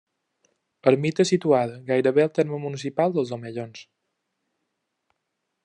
Ermita situada gairebé al terme municipal dels Omellons.